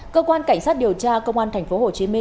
cơ quan cảnh sát điều tra công an tp hcm